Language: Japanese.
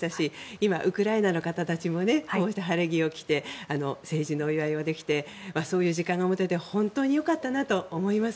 今、ウクライナの方たちもこうして晴れ着を着て成人のお祝いができてそういう時間が持てて本当によかったなと思います。